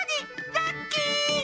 ラッキー！